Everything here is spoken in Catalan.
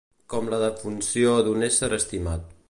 Com la defunció d'un ésser estimat.